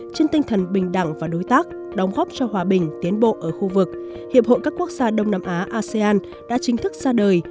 trên tinh thần bình đẳng và đối tác đóng góp cho hòa bình tiến bộ ở khu vực hiệp hội các quốc gia đông nam á asean đã chính thức ra đời